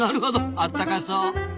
あったかそう。